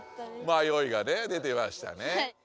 まよいがね出てましたね。